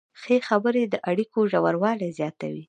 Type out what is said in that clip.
ښې خبرې د اړیکو ژوروالی زیاتوي.